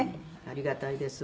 ありがたいです